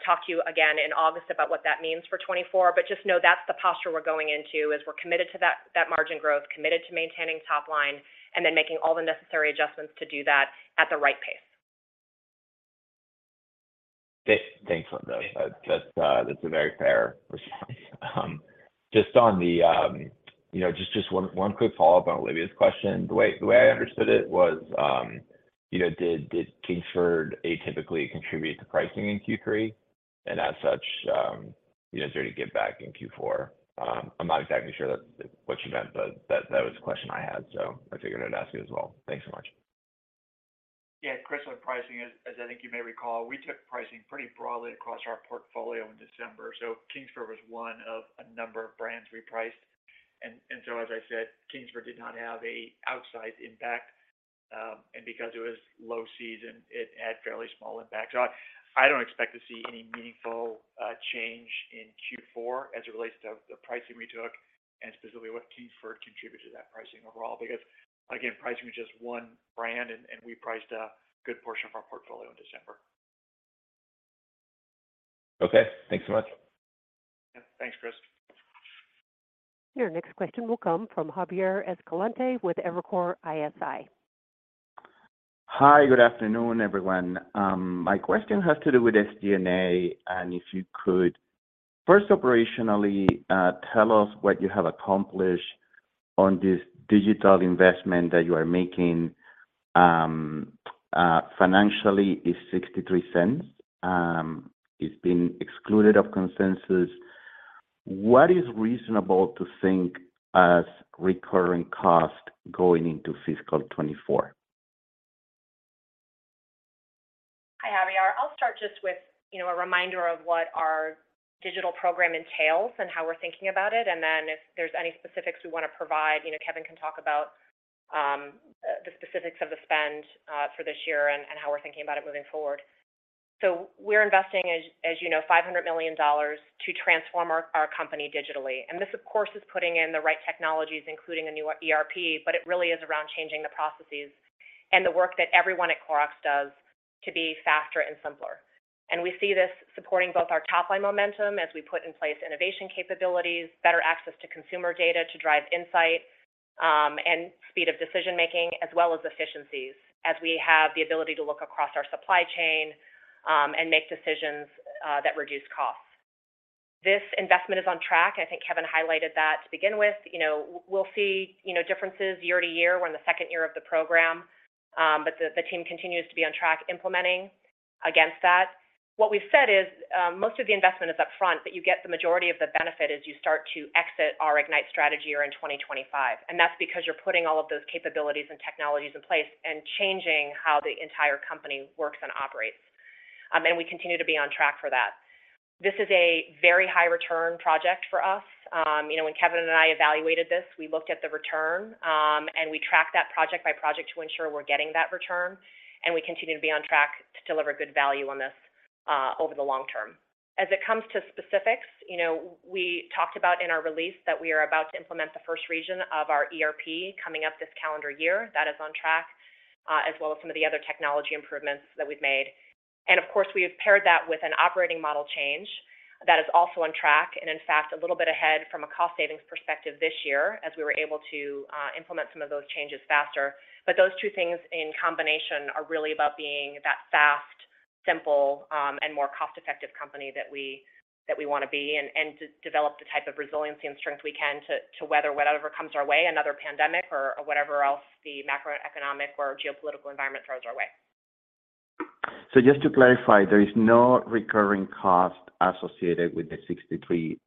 talk to you again in August about what that means for 2024. Just know that's the posture we're going into, is we're committed to that margin growth, committed to maintaining top line, and then making all the necessary adjustments to do that at the right pace. Thanks, Linda. That's a very fair response. Just on the, you know, just one quick follow-up on Olivia's question. The way I understood it was, you know, did Kingsford atypically contribute to pricing in Q3? As such, you know, is there any giveback in Q4? I'm not exactly sure that's what she meant, but that was the question I had, so I figured I'd ask you as well. Thanks so much. Yeah, Chris, on pricing, as I think you may recall, we took pricing pretty broadly across our portfolio in December. Kingsford was one of a number of brands we priced. And so, as I said, Kingsford did not have a outsized impact. And because it was low season, it had fairly small impact. I don't expect to see any meaningful change in Q4 as it relates to the pricing we took and specifically what Kingsford contributed to that pricing overall. Again, pricing was just one brand, and we priced a good portion of our portfolio in December. Okay. Thanks so much. Yeah. Thanks, Chris. Your next question will come from Javier Escalante with Evercore ISI. Hi. Good afternoon, everyone. My question has to do with SG&A, and if you could first operationally, tell us what you have accomplished on this digital investment that you are making. Financially, it's $0.63. It's been excluded of consensus. What is reasonable to think as recurring cost going into fiscal 2024? Hi, Javier. I'll start just with, you know, a reminder of what our digital program entails and how we're thinking about it, then if there's any specifics we wanna provide, you know, Kevin can talk about the specifics of the spend for this year and how we're thinking about it moving forward. We're investing, as you know, $500 million to transform our company digitally. This, of course, is putting in the right technologies, including a new ERP, but it really is around changing the processes and the work that everyone at Clorox does to be faster and simpler. We see this supporting both our top line momentum as we put in place innovation capabilities, better access to consumer data to drive insight, and speed of decision-making, as well as efficiencies, as we have the ability to look across our supply chain, and make decisions that reduce costs. This investment is on track. I think Kevin highlighted that to begin with. You know, we'll see, you know, differences year-to-year. We're in the second year of the program. The, the team continues to be on track implementing against that. What we've said is, most of the investment is up front, but you get the majority of the benefit as you start to exit our IGNITE strategy, or in 2025, and that's because you're putting all of those capabilities and technologies in place and changing how the entire company works and operates. We continue to be on track for that. This is a very high return project for us. You know, when Kevin and I evaluated this, we looked at the return. We tracked that project by project to ensure we're getting that return. We continue to be on track to deliver good value on this over the long term. As it comes to specifics, you know, we talked about in our release that we are about to implement the first region of our ERP coming up this calendar year. That is on track, as well as some of the other technology improvements that we've made. Of course, we have paired that with an operating model change that is also on track and, in fact, a little bit ahead from a cost savings perspective this year as we were able to implement some of those changes faster. Those two things in combination are really about being that fast, simple, and more cost-effective company that we, that we wanna be and to develop the type of resiliency and strength we can to weather whatever comes our way, another pandemic or whatever else the macroeconomic or geopolitical environment throws our way. Just to clarify, there is no recurring cost associated with the $0.63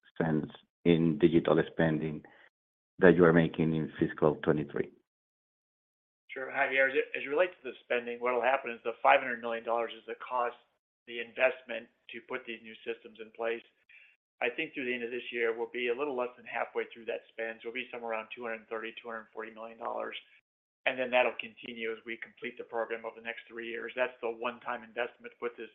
in digital spending that you are making in fiscal 2023? Sure, Javier. As you relate to the spending, what'll happen is the $500 million is the cost, the investment to put these new systems in place. I think through the end of this year, we'll be a little less than halfway through that spend, so we'll be somewhere around $230 million-$240 million, and then that'll continue as we complete the program over the next three years. That's the one-time investment to put this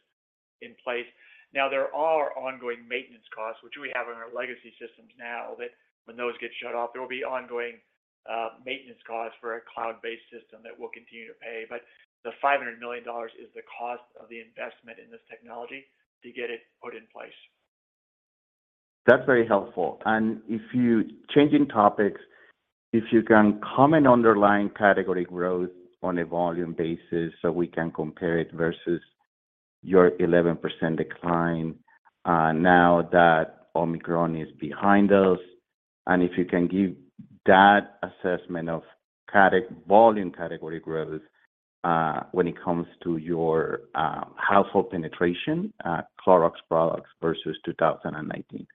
in place. Now, there are ongoing maintenance costs, which we have in our legacy systems now, that when those get shut off, there will be ongoing maintenance costs for a cloud-based system that we'll continue to pay. But the $500 million is the cost of the investment in this technology to get it put in place. That's very helpful. If you changing topics, if you can comment on underlying category growth on a volume basis so we can compare it versus your 11% decline, now that Omicron is behind us, and if you can give that assessment of volume category growth, when it comes to your household penetration, Clorox products versus 2019.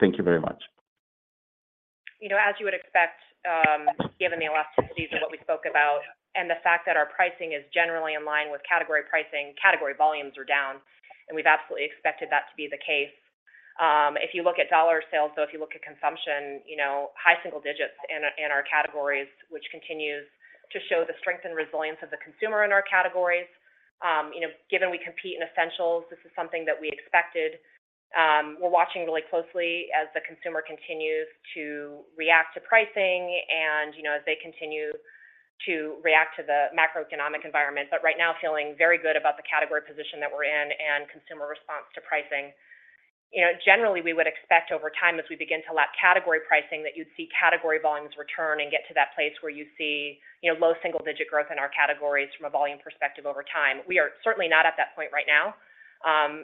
Thank you very much. You know, as you would expect, given the elasticities of what we spoke about and the fact that our pricing is generally in line with category pricing, category volumes are down, and we've absolutely expected that to be the case. If you look at dollar sales, so if you look at consumption, you know, high single-digits in our categories, which continues to show the strength and resilience of the consumer in our categories. You know, given we compete in essentials, this is something that we expected. We're watching really closely as the consumer continues to react to pricing and, you know, as they continue to react to the macroeconomic environment. Right now, feeling very good about the category position that we're in and consumer response to pricing. You know, generally we would expect over time as we begin to lap category pricing, that you'd see category volumes return and get to that place where you see, you know, low single-digit growth in our categories from a volume perspective over time. We are certainly not at that point right now,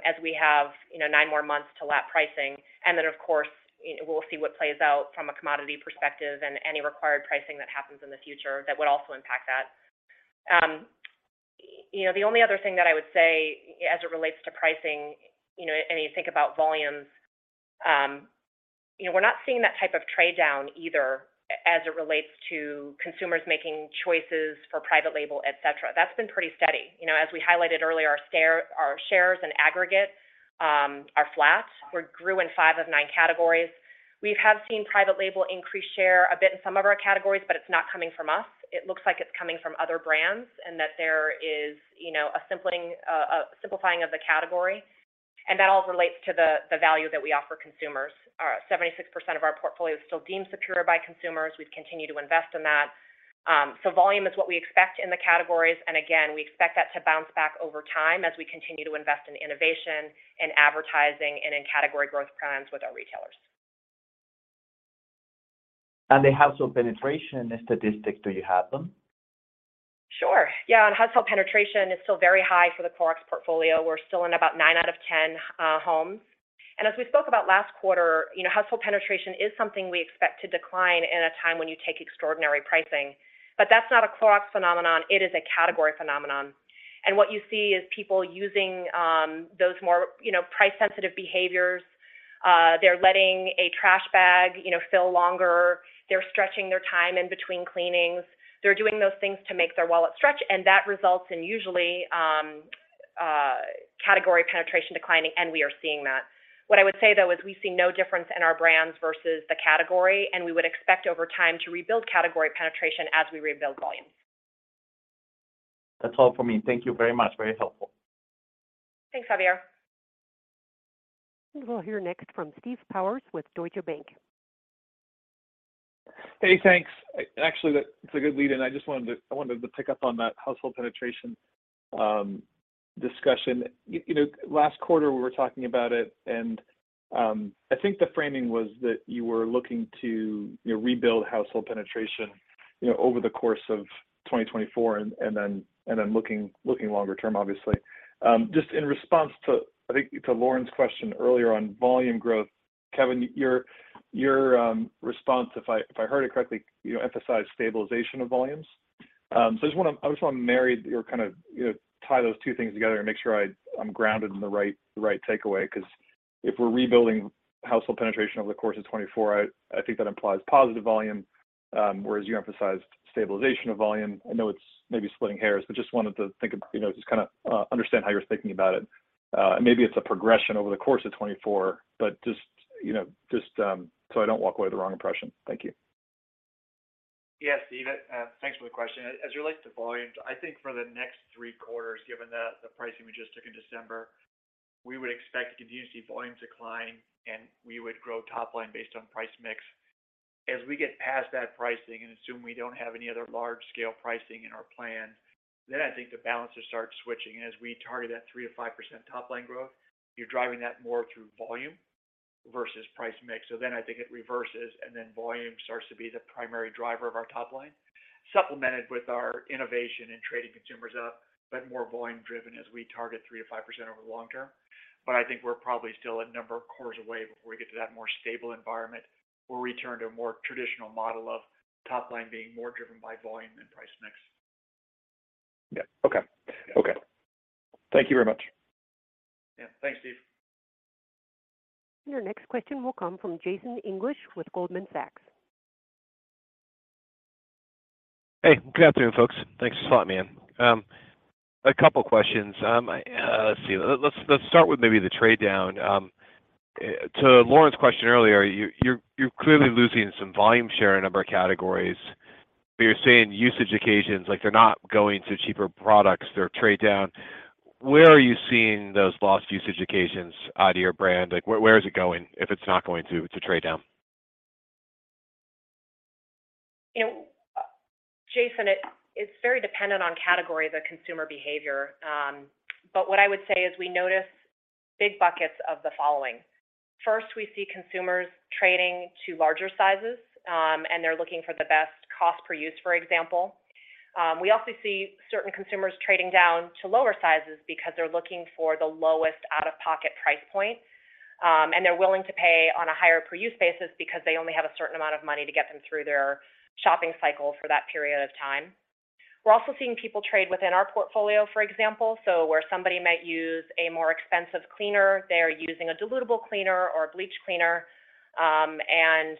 as we have, you know, nine more months to lap pricing and then of course, you know, we'll see what plays out from a commodity perspective and any required pricing that happens in the future that would also impact that. You know, the only other thing that I would say as it relates to pricing, you know, and you think about volumes, you know, we're not seeing that type of trade down either as it relates to consumers making choices for private label, et cetera. That's been pretty steady. You know, as we highlighted earlier, our shares in aggregates are flat. We grew in five of nine categories. We have seen private label increase share a bit in some of our categories, but it's not coming from us. It looks like it's coming from other brands and that there is, you know, a simplifying of the category, and that all relates to the value that we offer consumers. 76% of our portfolio is still deemed superior by consumers. We've continued to invest in that. Volume is what we expect in the categories. Again, we expect that to bounce back over time as we continue to invest in innovation and advertising and in category growth plans with our retailers. The household penetration statistics, do you have them? Sure. Yeah, household penetration is still very high for the Clorox portfolio. We're still in about nine out of 10 homes. As we spoke about last quarter, you know, household penetration is something we expect to decline in a time when you take extraordinary pricing. That's not a Clorox phenomenon, it is a category phenomenon. What you see is people using those more, you know, price-sensitive behaviors. They're letting a trash bag, you know, fill longer. They're stretching their time in between cleanings. They're doing those things to make their wallet stretch, and that results in usually category penetration declining, and we are seeing that. What I would say though is we see no difference in our brands versus the category, and we would expect over time to rebuild category penetration as we rebuild volume. That's all for me. Thank you very much. Very helpful. Thanks, Javier. We'll hear next from Steve Powers with Deutsche Bank. Hey, thanks. Actually, that it's a good lead-in. I wanted to pick up on that household penetration discussion. You know, last quarter we were talking about it and I think the framing was that you were looking to, you know, rebuild household penetration, you know, over the course of 2024 and then looking longer term, obviously. Just in response to, I think, to Lauren's question earlier on volume growth, Kevin, your response, if I heard it correctly, you know, emphasized stabilization of volumes. I just wanna marry or kind of, you know, tie those two things together and make sure I'm grounded in the right takeaway 'cause if we're rebuilding household penetration over the course of 2024, I think that implies positive volume, whereas you emphasized stabilization of volume. I know it's maybe splitting hairs, but just wanted to think, you know, just kinda understand how you're thinking about it. Maybe it's a progression over the course of 2024, but just, you know, so I don't walk away with the wrong impression. Thank you. Yeah. Steve, thanks for the question. As it relates to volumes, I think for the next three quarters, given the pricing we just took in December, we would expect to continue to see volume decline, and we would grow top line based on price mix. As we get past that pricing and assume we don't have any other large-scale pricing in our plans, then I think the balance starts switching. As we target that 3%-5% top line growth, you're driving that more through volume versus price mix. Then I think it reverses, and then volume starts to be the primary driver of our top line, supplemented with our innovation and trading consumers up, but more volume driven as we target 3%-5% over the long term. I think we're probably still a number of quarters away before we get to that more stable environment, where we turn to a more traditional model of top line being more driven by volume than price mix. Yeah. Okay. Okay. Thank you very much. Yeah. Thanks, Steve. Your next question will come from Jason English with Goldman Sachs. Hey, good afternoon, folks. Thanks for having me. A couple questions. Let's start with maybe the trade down. To Lauren's question earlier, you're clearly losing some volume share in a number of categories. But you're seeing usage occasions, like they're not going to cheaper products or trade down. Where are you seeing those lost usage occasions to your brand? Like where is it going if it's not going through to trade down? You know, Jason, it's very dependent on category, the consumer behavior. What I would say is we notice big buckets of the following. First, we see consumers trading to larger sizes, and they're looking for the best cost per use, for example. We also see certain consumers trading down to lower sizes because they're looking for the lowest out-of-pocket price point, and they're willing to pay on a higher per-use basis because they only have a certain amount of money to get them through their shopping cycle for that period of time. We're also seeing people trade within our portfolio, for example. Where somebody might use a more expensive cleaner, they are using a dilutable cleaner or a bleach cleaner, and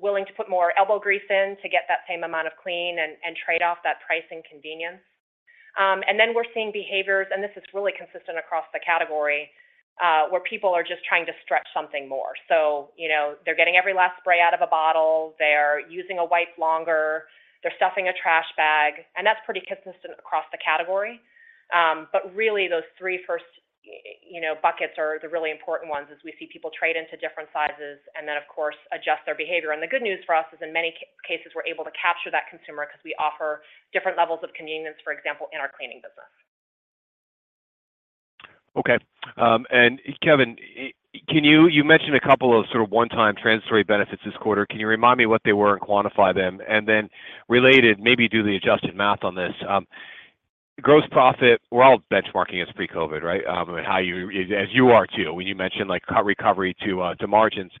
willing to put more elbow grease in to get that same amount of clean and trade off that price and convenience. Then we're seeing behaviors, and this is really consistent across the category, where people are just trying to stretch something more. You know, they're getting every last spray out of a bottle. They're using a wipe longer. They're stuffing a trash bag, and that's pretty consistent across the category. Really, those three first, you know, buckets are the really important ones as we see people trade into different sizes and then, of course, adjust their behavior. The good news for us is in many cases, we're able to capture that consumer 'cause we offer different levels of convenience, for example, in our cleaning business. Okay. Kevin, can you... You mentioned a couple of sort of one-time transitory benefits this quarter. Can you remind me what they were and quantify them? Then related, maybe do the adjusted math on this. Gross profit, we're all benchmarking as pre-COVID, right? How you... As you are too when you mention, like, co-recovery to margins.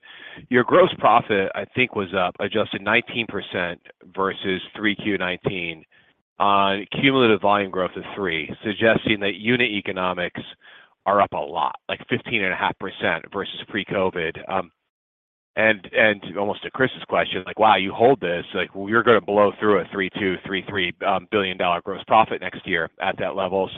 Your gross profit, I think, was up adjusted 19% versus 3Q 2019 on cumulative volume growth of three, suggesting that unit economics are up a lot, like 15.5% versus pre-COVID. Almost to Chris's question, like, wow, you hold this, like, you're gonna blow through a $3.2 billion-$3.3 billion gross profit next year at that level.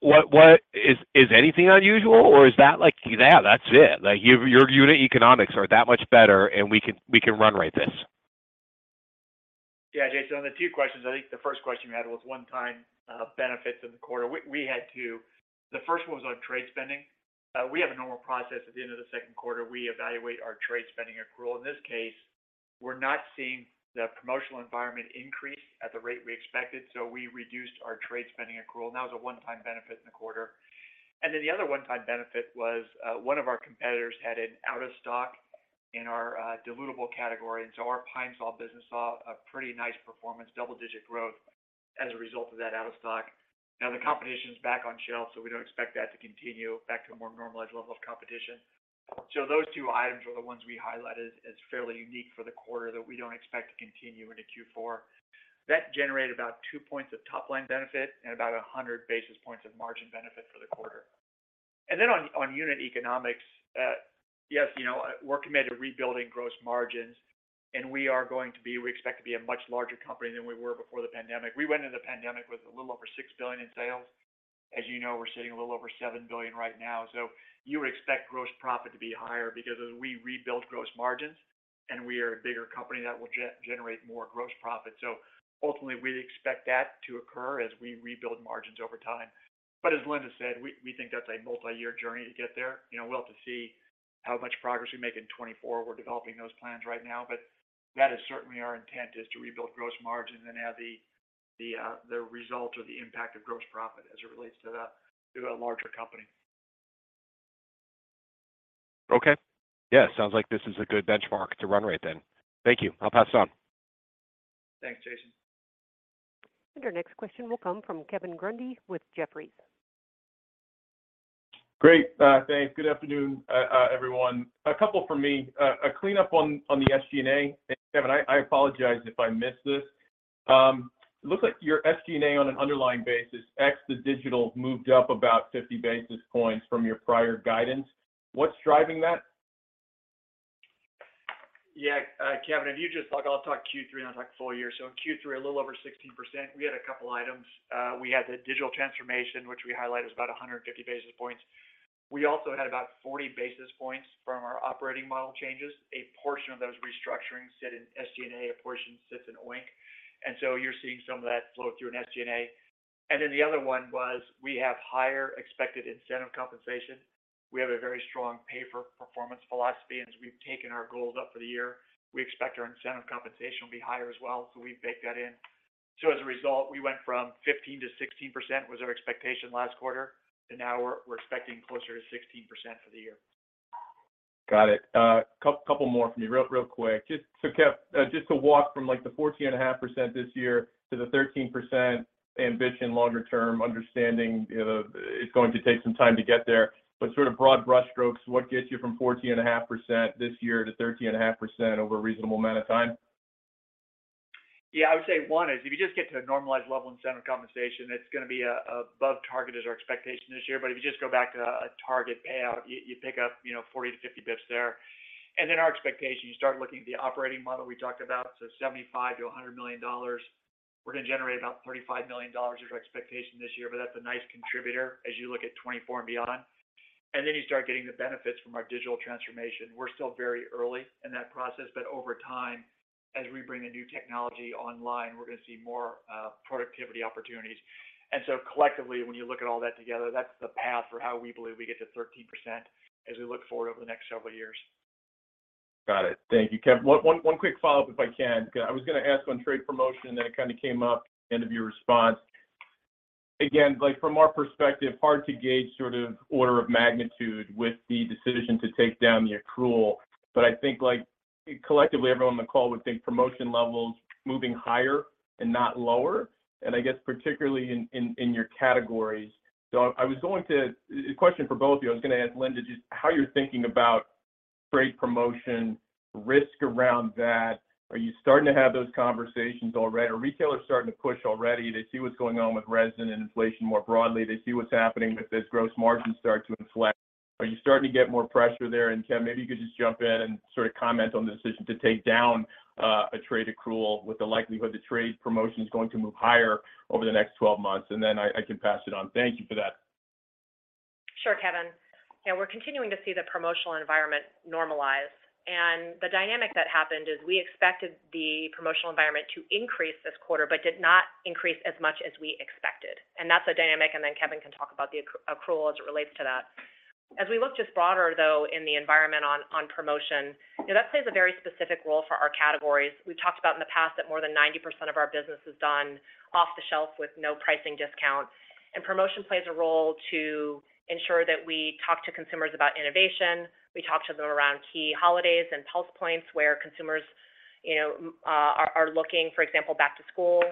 What-- is anything unusual, or is that like, yeah, that's it? Like, your unit economics are that much better, and we can run rate this. Yeah, Jason, on the two questions, I think the first question you had was one-time benefits in the quarter. We had two. The first one was on trade spending. We have a normal process at the end of the second quarter. We evaluate our trade spending accrual. In this case, we're not seeing the promotional environment increase at the rate we expected. We reduced our trade spending accrual. That was a one-time benefit in the quarter. The other one-time benefit was one of our competitors had an out of stock in our dilutable category. Our Pine-Sol business saw a pretty nice performance, double-digit growth as a result of that out of stock. Now the competition is back on shelf. We don't expect that to continue back to a more normalized level of competition. Those two items were the ones we highlighted as fairly unique for the quarter that we don't expect to continue into Q4. That generated about 2 points of top-line benefit and about 100 basis points of margin benefit for the quarter. On unit economics, yes, you know, we're committed to rebuilding gross margins, and we expect to be a much larger company than we were before the pandemic. We went into the pandemic with a little over $6 billion in sales. As you know, we're sitting a little over $7 billion right now. You would expect gross profit to be higher because as we rebuild gross margins, and we are a bigger company, that will generate more gross profit. Ultimately, we expect that to occur as we rebuild margins over time. As Linda said, we think that's a multi-year journey to get there. You know, we'll have to see how much progress we make in 2024. We're developing those plans right now, but that is certainly our intent is to rebuild gross margin and have the result or the impact of gross profit as it relates to that, to a larger company. Okay. Yeah, sounds like this is a good benchmark to run rate then. Thank you. I'll pass it on. Thanks, Jason. Our next question will come from Kevin Grundy with Jefferies. Great. thanks. Good afternoon, everyone. A couple from me. A cleanup on the SG&A. Kevin, I apologize if I missed this. It looks like your SG&A on an underlying basis ex the digital moved up about 50 basis points from your prior guidance. What's driving that? Kevin, if you just talk. I'll talk Q3, I'll talk full year. In Q3, a little over 16%. We had a couple items. We had the digital transformation, which we highlight is about 150 basis points. We also had about 40 basis points from our operating model changes. A portion of those restructurings sit in SG&A, a portion sits in O&I. So you're seeing some of that flow through in SG&A. Then the other one was we have higher expected incentive compensation. We have a very strong pay-for-performance philosophy, as we've taken our goals up for the year, we expect our incentive compensation will be higher as well. We baked that in. As a result, we went from 15%-16% was our expectation last quarter, and now we're expecting closer to 16% for the year. Got it. Couple more for me real quick. Just to walk from, like, the 14.5% this year to the 13% ambition longer term, understanding, you know, it's going to take some time to get there. Sort of broad brushstrokes, what gets you from 14.5% this year to 13.5% over a reasonable amount of time? I would say one is if you just get to a normalized level incentive compensation, it's gonna be above target is our expectation this year. If you just go back to a target payout, you pick up, you know, 40 to 50 bps there. Our expectation, you start looking at the operating model we talked about, $75 million-$100 million. We're gonna generate about $35 million is our expectation this year, that's a nice contributor as you look at 2024 and beyond. You start getting the benefits from our digital transformation. We're still very early in that process, but over time, as we bring the new technology online, we're gonna see more productivity opportunities. Collectively, when you look at all that together, that's the path for how we believe we get to 13% as we look forward over the next several years. Got it. Thank you, Kevin. One quick follow-up if I can. I was gonna ask on trade promotion, then it kind of came up end of your response. Again, like from our perspective, hard to gauge sort of order of magnitude with the decision to take down the accrual. I think, like, collectively, everyone on the call would think promotion levels moving higher and not lower, and I guess particularly in your categories. A question for both of you. I was gonna ask Linda just how you're thinking about Trade promotion risk around that. Are you starting to have those conversations already? Are retailers starting to push already? They see what's going on with resin and inflation more broadly. They see what's happening with this gross margin start to inflect. Are you starting to get more pressure there? Kevin, maybe you could just jump in and sort of comment on the decision to take down a trade accrual with the likelihood the trade promotion is going to move higher over the next 12 months, then I can pass it on. Thank you for that. Sure, Kevin. Yeah, we're continuing to see the promotional environment normalize. The dynamic that happened is we expected the promotional environment to increase this quarter, but did not increase as much as we expected. That's a dynamic, Kevin can talk about the accrual as it relates to that. As we look just broader, though, in the environment on promotion, you know, that plays a very specific role for our categories. We've talked about in the past that more than 90% of our business is done off the shelf with no pricing discounts. Promotion plays a role to ensure that we talk to consumers about innovation. We talk to them around key holidays and pulse points where consumers, you know, are looking, for example, back to school,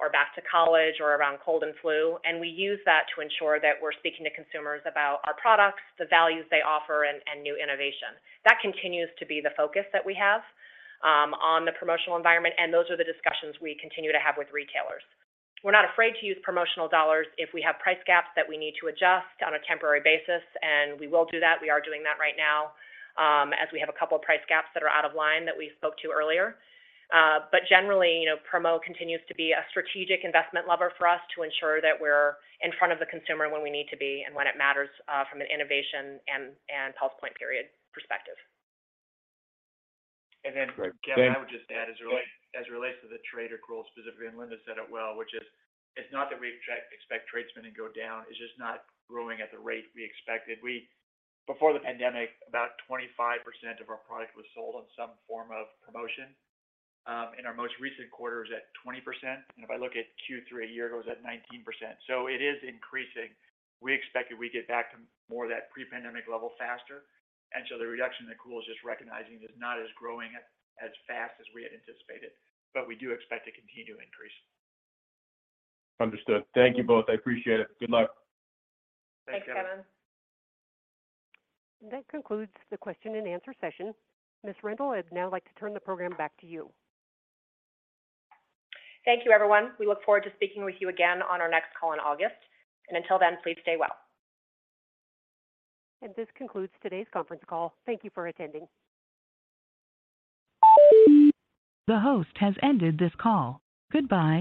or back to college or around cold and flu. We use that to ensure that we're speaking to consumers about our products, the values they offer, and new innovation. That continues to be the focus that we have on the promotional environment, and those are the discussions we continue to have with retailers. We're not afraid to use promotional dollars if we have price gaps that we need to adjust on a temporary basis, and we will do that. We are doing that right now, as we have a couple of price gaps that are out of line that we spoke to earlier. Generally, you know, promo continues to be a strategic investment lever for us to ensure that we're in front of the consumer when we need to be and when it matters, from an innovation and pulse point period perspective. Kevin, I would just add as it relates to the trade accrual specifically, Linda said it well, which is it's not that we expect trade to go down. It's just not growing at the rate we expected. Before the pandemic, about 25% of our product was sold on some form of promotion. In our most recent quarter, it was at 20%. If I look at Q3 a year ago, it was at 19%. It is increasing. We expected we'd get back to more of that pre-pandemic level faster. The reduction accrual is just recognizing it's not as growing as fast as we had anticipated, but we do expect to continue to increase. Understood. Thank you both. I appreciate it. Good luck. Thanks, Kevin. Thanks, Kevin. That concludes the question and answer session. Ms. Rendle, I'd now like to turn the program back to you. Thank you, everyone. We look forward to speaking with you again on our next call in August. Until then, please stay well. This concludes today's conference call. Thank you for attending. The host has ended this call. Goodbye